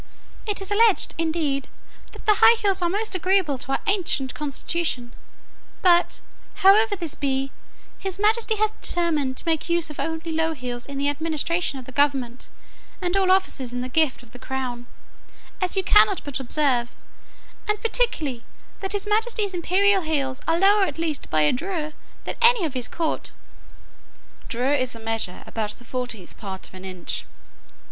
It is alleged, indeed, that the high heels are most agreeable to our ancient constitution; but, however this be, his majesty has determined to make use only of low heels in the administration of the government, and all offices in the gift of the crown, as you cannot but observe; and particularly that his majesty's imperial heels are lower at least by a drurr than any of his court (drurr is a measure about the fourteenth part of an inch).